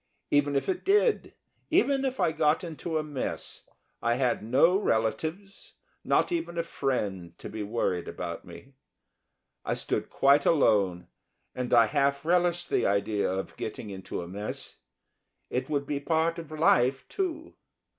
Even if it did, even if I got into a mess, I had no relatives, not even a friend, to be worried about me. I stood quite alone, and I half relished the idea of getting into a mess it would be part of life, too.